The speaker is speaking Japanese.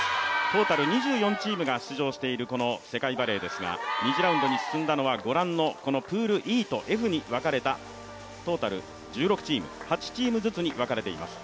トータル２４チームが出場しているこの世界バレーですが２次ラウンドに進んだのはプールＥとＦに分かれたトータル１６チーム、８チームずつに分かれています。